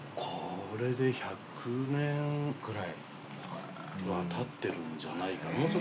これで１００年はたってるんじゃないかな。